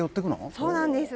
そうなんです。